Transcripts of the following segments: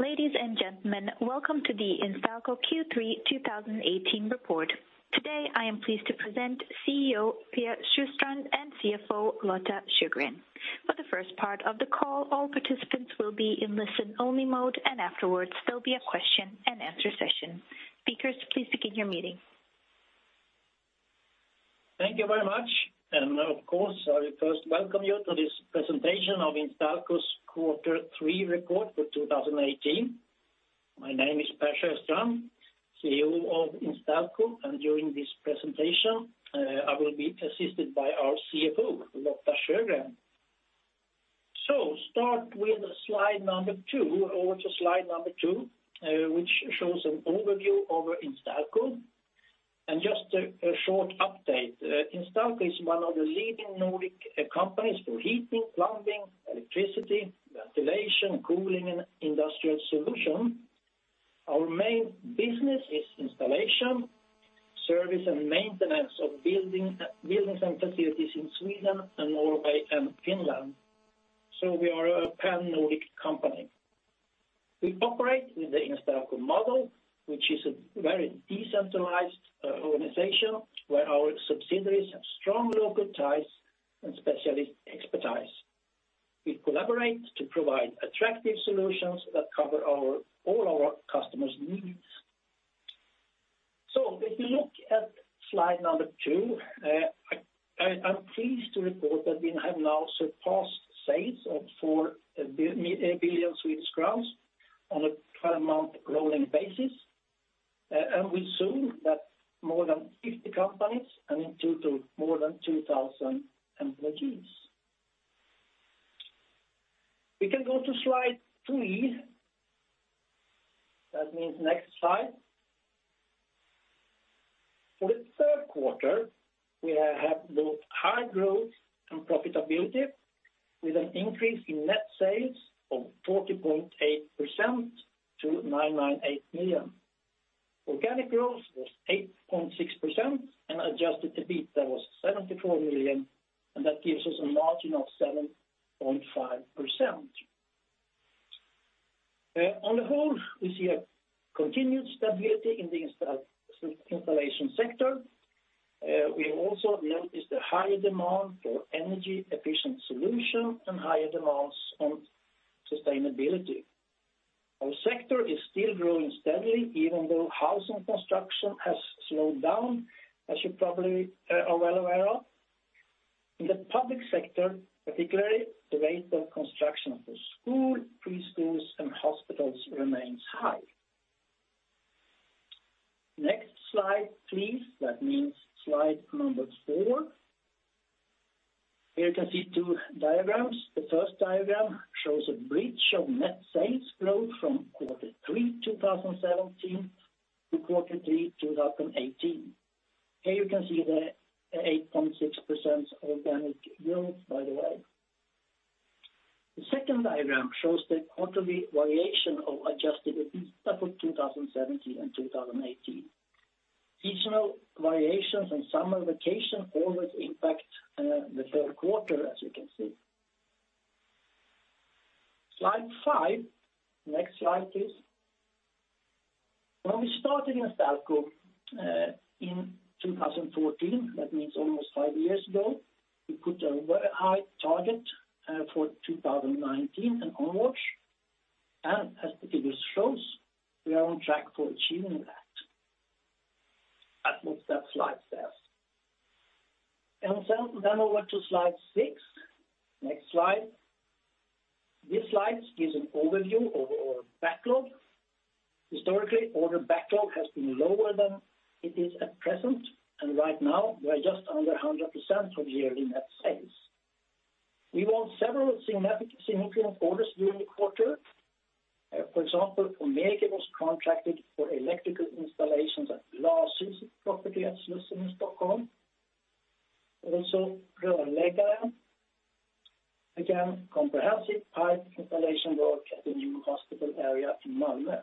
Ladies and gentlemen, welcome to the Instalco Q3 2018 report. Today, I am pleased to present CEO, Per Sjöstrand, and CFO, Lotta Sjögren. For the first part of the call, all participants will be in listen-only mode, and afterwards, there'll be a question and answer session. Speakers, please begin your meeting. Thank you very much. Of course, I first welcome you to this presentation of Instalco's Q3 report for 2018. My name is Per Sjöstrand, CEO of Instalco. During this presentation, I will be assisted by our CFO, Lotta Sjögren. Start with slide number two, over to slide number two, which shows an overview of Instalco. Just a short update, Instalco is one of the leading Nordic companies for heating, plumbing, electricity, ventilation, cooling, and industrial solution. Our main business is installation, service, and maintenance of buildings and facilities in Sweden, Norway, and Finland, so we are a Pan-Nordic company. We operate with the Instalco model, which is a very decentralized organization, where our subsidiaries have strong local ties and specialist expertise. We collaborate to provide attractive solutions that cover all our customers' needs. If you look at slide number two, I'm pleased to report that we have now surpassed sales of 4 billion Swedish crowns on a 12-month rolling basis, and we assume that more than 50 companies, and in total, more than 2,000 employees. We can go to slide three. That means next slide. For the third quarter, we have both high growth and profitability, with an increase in net sales of 40.8% to 998 million. Organic growth was 8.6%. Adjusted EBITA, that was 74 million, and that gives us a margin of 7.5%. On the whole, we see a continued stability in the Instalco installation sector. We also noticed a higher demand for energy-efficient solution and higher demands on sustainability. Our sector is still growing steadily, even though housing construction has slowed down, as you probably are well aware of. In the public sector, particularly, the rate of construction for school, preschools, and hospitals remains high. Next slide, please. That means slide number four. Here you can see two diagrams. The first diagram shows a bridge of net sales growth from quarter three 2017 to quarter three 2018. Here you can see the 8.6% organic growth, by the way. The second diagram shows the quarterly variation of Adjusted EBITA for 2017 and 2018. Seasonal variations and summer vacation always impact the third quarter, as you can see. Slide five. Next slide, please. When we started Instalco in 2014, that means almost five years ago, we put a very high target for 2019 and onwards, as the figures shows, we are on track for achieving that. That's what that slide says. Over to slide six. Next slide. This slide gives an overview of our backlog. Historically, order backlog has been lower than it is at present, and right now, we're just under 100% of yearly net sales. We won several significant orders during the quarter. For example, Ohmegi was contracted for electrical installations at Lars' property at Slussen in Stockholm. Rörläggaren, again, comprehensive pipe installation work at the new hospital area in Malmö.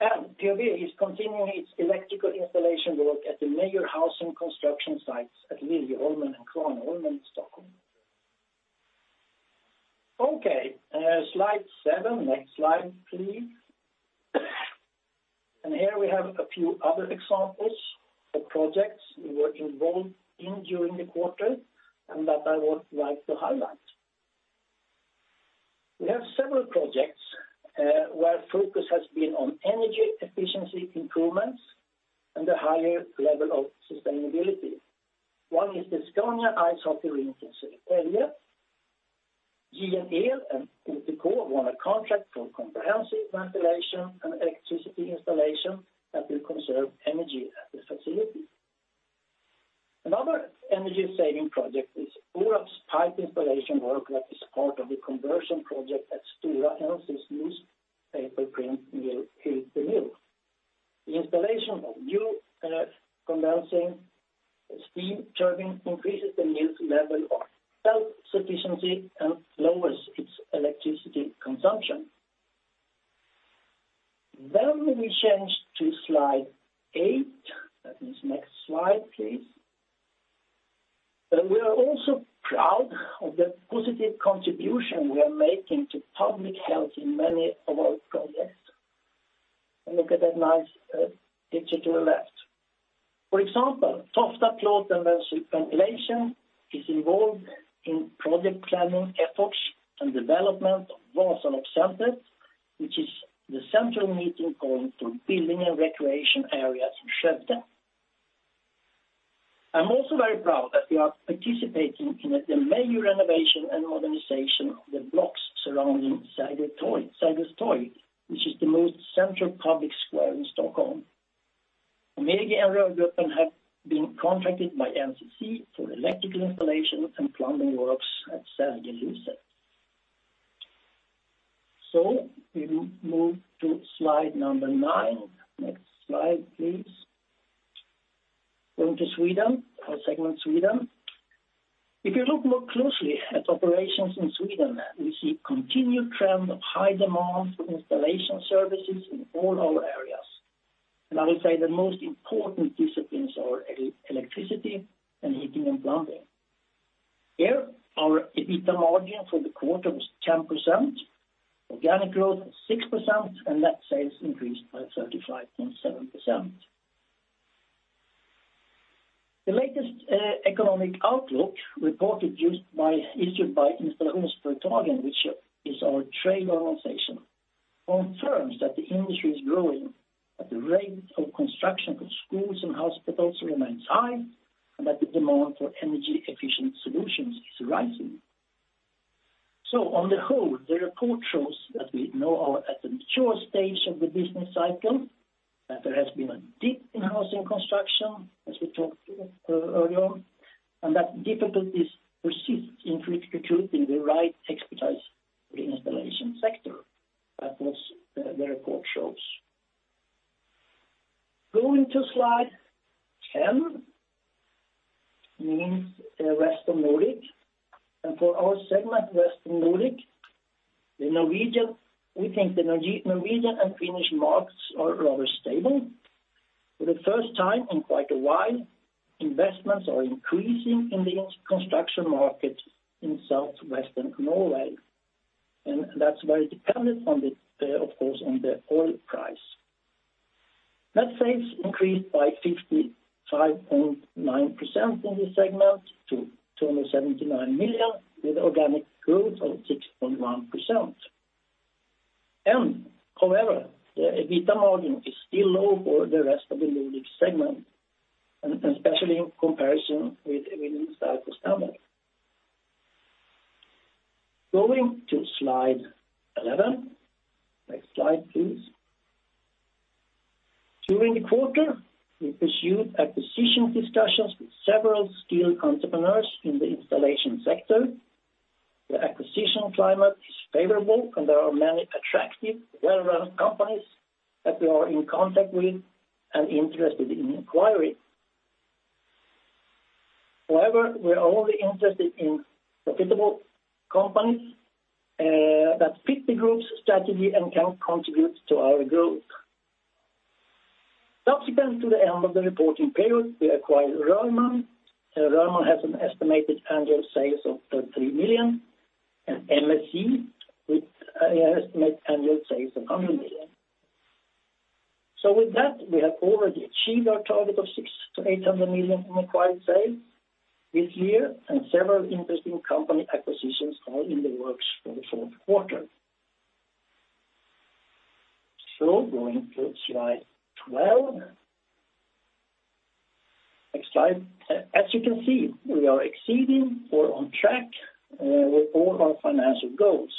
El-Pågarna is continuing its electrical installation work at the major housing construction sites at Liljeholmen and Kvarnholmen in Stockholm. Okay, slide seven. Next slide, please. Here we have a few other examples of projects we were involved in during the quarter, and that I would like to highlight. We have several projects, where focus has been on energy efficiency improvements and a higher level of sustainability. One is the Scaniarinken in Södertälje. JN El and OTK won a contract for comprehensive ventilation and electricity installation that will conserve energy at the facility. Another energy-saving project is ORAB's pipe installation work that is part of the conversion project at Stora Enso's paper print mill in Piteå. The installation of new, condensing steam turbine increases the mill's level of self-sufficiency and lowers its electricity consumption. When we change to slide eight, that is next slide, please. We are also proud of the positive contribution we are making to public health in many of our projects. Look at that nice picture to the left. For example, Tofta Plåt & Ventilation is involved in project planning efforts and development of Vasaloppscentret, which is the central meeting point for building and recreation areas in Sweden. I'm also very proud that we are participating in the major renovation and modernization of the blocks surrounding Sergels Torg, which is the most central public square in Stockholm. Ohmegi and Rörgruppen have been contracted by NCC for electrical installation and plumbing works at Sergelhuset. We move to slide nine. Next slide, please. Going to Sweden, our segment Sweden. If you look more closely at operations in Sweden, we see continued trend of high demand for installation services in all our areas. I will say the most important disciplines are electricity and heating and plumbing. Here, our EBITA margin for the quarter was 10%, organic growth was 6%, and net sales increased by 35.7%. The latest economic outlook issued by Installatörsföretagen, which is our trade organization, confirms that the industry is growing, that the rate of construction for schools and hospitals remains high, and that the demand for energy efficient solutions is rising. On the whole, the report shows that we know are at the mature stage of the business cycle, that there has been a dip in housing construction, as we talked earlier, and that difficulties persist in recruiting the right expertise for the installation sector. That was, the report shows. Going to slide 10, means, Rest of Nordic. For our segment, Rest of Nordic, we think the Norwegian and Finnish markets are rather stable. For the first time in quite a while, investments are increasing in the construction market in Southwestern Norway. That's very dependent on the, of course, on the oil price. Net sales increased by 55.9% in this segment to 279 million, with organic growth of 6.1%. However, the EBITA margin is still low for the Rest of Nordic segment, especially in comparison with Instalco standard. Going to slide 11. Next slide, please. During the quarter, we pursued acquisition discussions with several skilled entrepreneurs in the installation sector. The acquisition climate is favorable, and there are many attractive, well-run companies that we are in contact with and interested in acquiring. However, we are only interested in profitable companies that fit the group's strategy and can contribute to our growth. Subsequent to the end of the reporting period, we acquired Rörman. Rörman has an estimated annual sales of 33 million, and MSI, with an estimated annual sales of 100 million. With that, we have already achieved our target of 600-800 million in acquired sales this year, and several interesting company acquisitions are in the works for the fourth quarter. Going to slide 12. Next slide. As you can see, we are exceeding or on track with all our financial goals.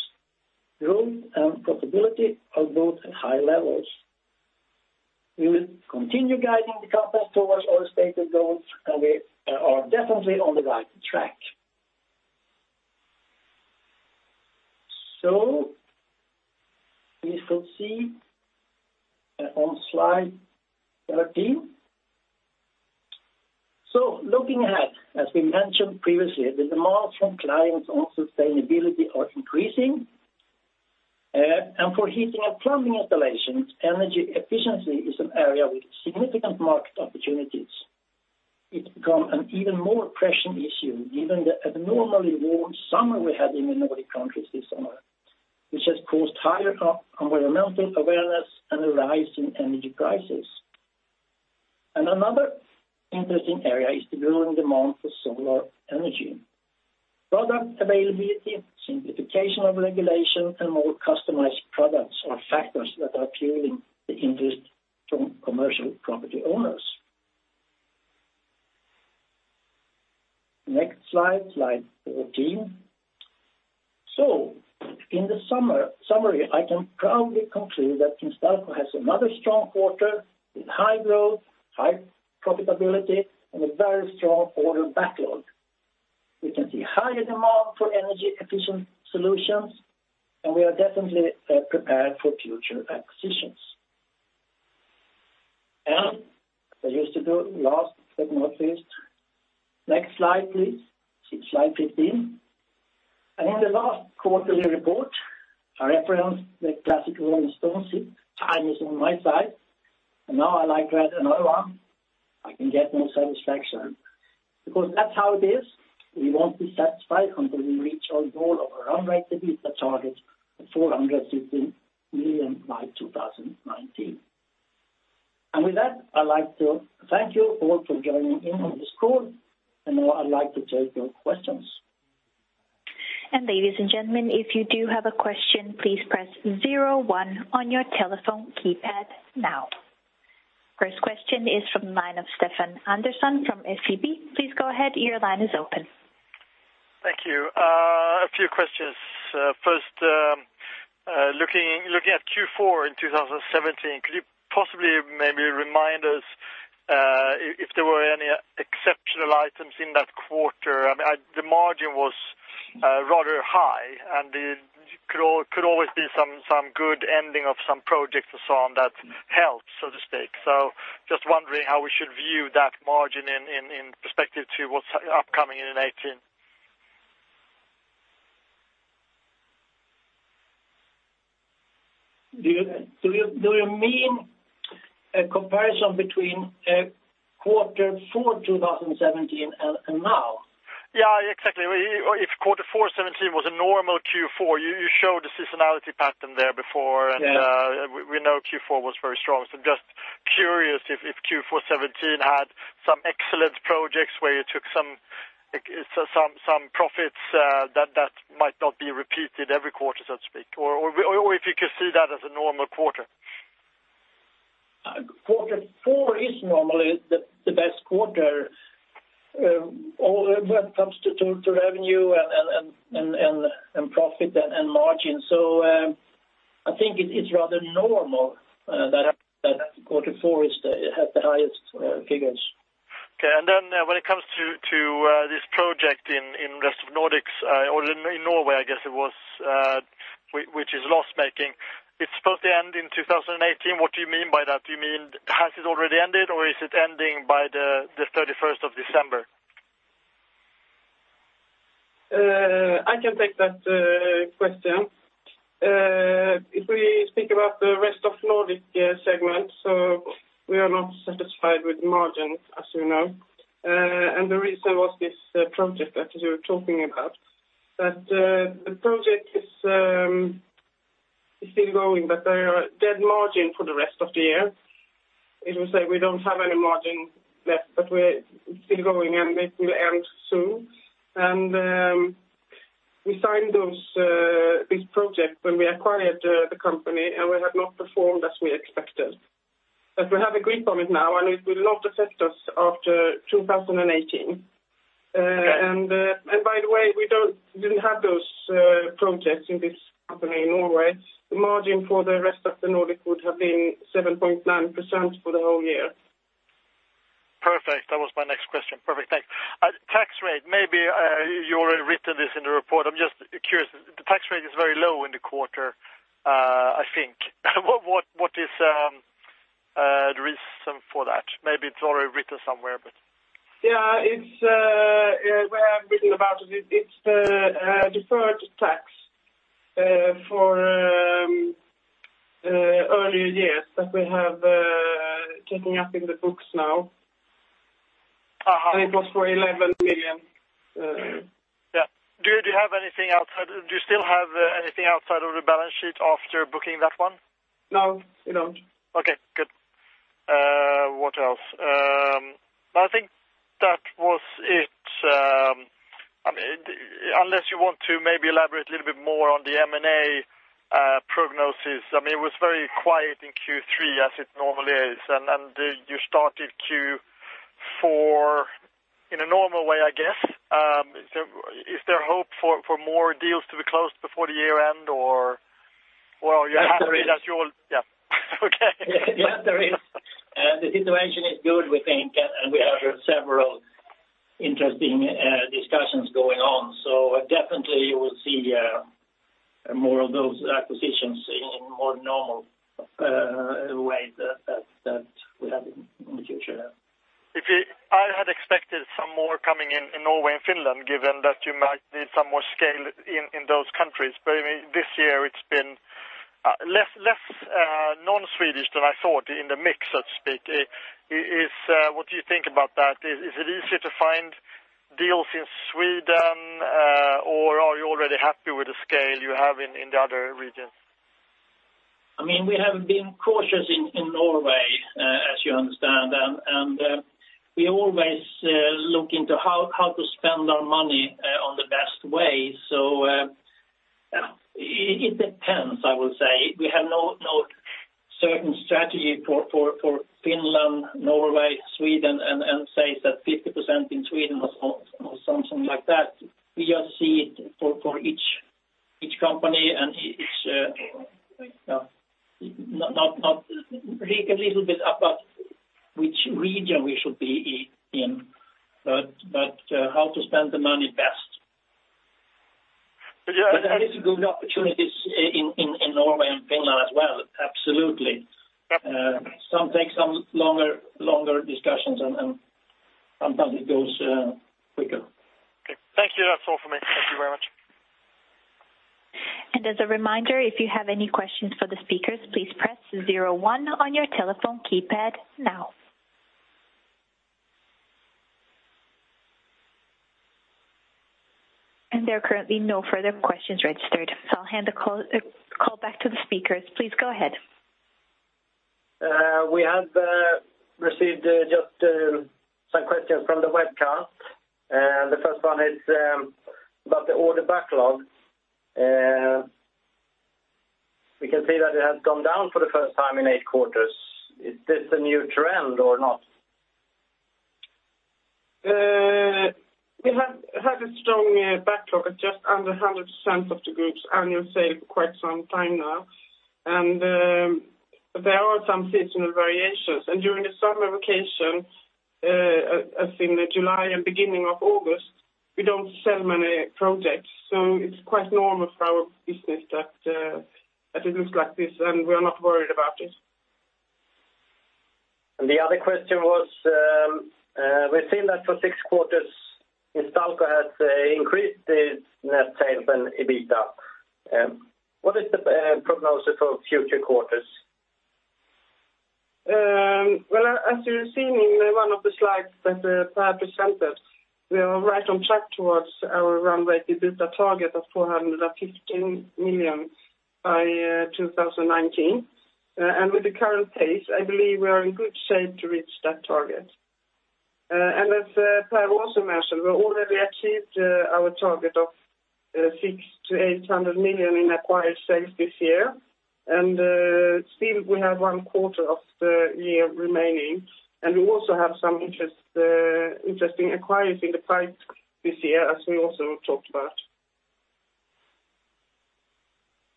Growth and profitability are both at high levels. We will continue guiding the company towards our stated goals. We are definitely on the right track. We still see on slide 13. Looking ahead, as we mentioned previously, the demands from clients on sustainability are increasing, and for heating and plumbing installations, energy efficiency is an area with significant market opportunities. It's become an even more pressing issue, given the abnormally warm summer we had in the Nordic countries this summer, which has caused higher environmental awareness and a rise in energy prices. Another interesting area is the growing demand for solar energy. Product availability, simplification of regulation, and more customized products are factors that are fueling the interest from commercial property owners. Next slide 14. In the summary, I can proudly conclude that Instalco has another strong quarter with high growth, high profitability, and a very strong order backlog. We can see higher demand for energy efficient solutions, we are definitely prepared for future acquisitions. As I used to do, last but not least, next slide, please. Slide 15. In the last quarterly report, I referenced the classic The Rolling Stones, Time Is on My Side, and now I like to add another one, I Can't Get No Satisfaction, because that's how it is. We won't be satisfied until we reach our goal of a run rate EBITDA target of 450 million by 2019. With that, I'd like to thank you all for joining in on this call, and now I'd like to take your questions. Ladies and gentlemen, if you do have a question, please press zero one on your telephone keypad now. First question is from the line of Stefan Andersson from SEB. Please go ahead, your line is open. Thank you. A few questions. First, looking at Q4 in 2017, could you possibly maybe remind us if there were any exceptional items in that quarter? I mean, the margin was rather high, and it could always be some good ending of some projects and so on that helped, so to speak. Just wondering how we should view that margin in perspective to what's upcoming in 2018. Do you mean a comparison between quarter four 2017 and now? Yeah, exactly. If quarter four 2017 was a normal Q4, you showed the seasonality pattern there before. Yeah. We know Q4 was very strong. Just curious if Q4 2017 had some excellent projects where you took some profits, that might not be repeated every quarter, so to speak, or if you could see that as a normal quarter? quarter four is normally the best quarter, when it comes to revenue and profit and margin. I think it is rather normal, that quarter four has the highest figures. Okay. Then when it comes to this project in Rest of Nordic, or in Norway, I guess it was, which is loss-making. It's supposed to end in 2018. What do you mean by that? Do you mean, has it already ended, or is it ending by the 31st of December? I can take that question. If we speak about the Rest of Nordic segment, we are not satisfied with margin, as you know. The reason was this project that you're talking about. The project is still going, there are dead margin for the rest of the year. We don't have any margin left, we're still going, it will end soon. We signed those this project when we acquired the company, we have not performed as we expected. We have a grip on it now, it will not affect us after 2018. Okay. By the way, we didn't have those projects in this company in Norway. The margin for the Rest of Nordic would have been 7.9% for the whole year. Perfect. That was my next question. Perfect, thanks. Tax rate, maybe, you already written this in the report. I'm just curious, the tax rate is very low in the quarter, I think. What is the reason for that? Maybe it's already written somewhere, but. Yeah, it's. We have written about it. It's a deferred tax for earlier years that we have taking up in the books now. Uh-huh. It was for 11 million. Yeah. Do you still have anything outside of the balance sheet after booking that one? No, we don't. Okay, good. What else? I think that was it, I mean, unless you want to maybe elaborate a little bit more on the M&A prognosis. I mean, it was very quiet in Q3, as it normally is, and you started Q4 in a normal way, I guess. Is there hope for more deals to be closed before the year end, or, well, are you happy that you're- Yeah. Yeah, okay. Yes, there is. The situation is good, we think, and we have several interesting discussions going on. Definitely you will see more of those acquisitions in more normal way that we have in the future. I had expected some more coming in Norway and Finland, given that you might need some more scale in those countries. I mean, this year it's been less non-Swedish than I thought in the mix, so to speak. What do you think about that? Is it easier to find deals in Sweden, or are you already happy with the scale you have in the other regions? I mean, we have been cautious in Norway, as you understand, and we always look into how to spend our money on the best way. It depends, I would say. We have no certain strategy for Finland, Norway, Sweden, and say that 50% in Sweden or something like that. We just see it for each company and each, a little bit about which region we should be in, but how to spend the money best. There is a good opportunities in Norway and Finland as well, absolutely. Some take some longer discussions and sometimes it goes quicker. Okay. Thank you. That's all for me. Thank you very much. As a reminder, if you have any questions for the speakers, please press zero one on your telephone keypad now. There are currently no further questions registered, so I'll hand the call back to the speakers. Please go ahead. We have received just some questions from the webcast. The first one is about the order backlog. We can see that it has gone down for the first time in eight quarters. Is this a new trend or not? We have had a strong backlog at just under 100% of the group's annual sale for quite some time now. There are some seasonal variations, and during the summer vacation, as in the July and beginning of August, we don't sell many projects. It's quite normal for our business that it looks like this, and we are not worried about it. The other question was, we've seen that for six quarters, Instalco has increased its net sales and EBITDA. What is the prognosis for future quarters? Well, as you have seen in one of the slides that Per presented, we are right on track towards our run-rate EBITDA target of 415 million by 2019. With the current pace, I believe we are in good shape to reach that target. As Per also mentioned, we already achieved our target of 600 million - 800 million in acquired sales this year, still we have one quarter of the year remaining. We also have some interesting acquires in the pipe this year, as we also talked about.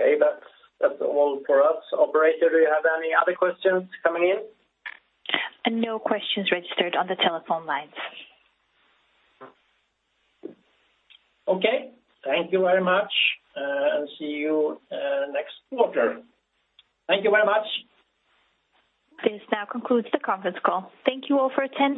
Okay, that's all for us. Operator, do you have any other questions coming in? No questions registered on the telephone lines. Okay. Thank you very much, and see you next quarter. Thank you very much. This now concludes the conference call. Thank you all for attending.